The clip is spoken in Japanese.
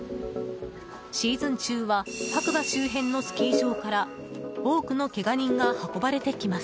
シーズン中は白馬周辺のスキー場から多くのけが人が運ばれてきます。